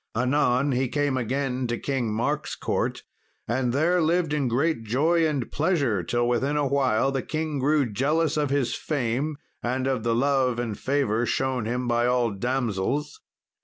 Anon he came again to King Mark's court, and there lived in great joy and pleasure, till within a while the king grew jealous of his fame, and of the love and favour shown him by all damsels.